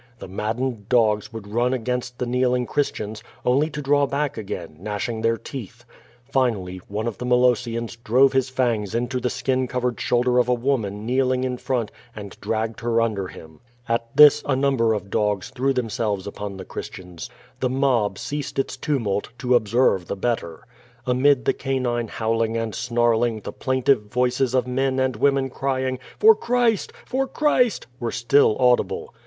The maddened dogs would run against the kneeling Christ ians, only to drawback again, gnashing their teeth. Finally, one of the Molosiians drove his fangs into the skin covered shoulder of a woma^n kneeling in front and dragged her under him. At this a number of dogs threw themselves upon the Christians. The mob ceased its tumult, to observe the blot ter. Amid the canine howling and snarling, the plaintive voices of men and women crying "For Christ! For Christ!*' were still atidible.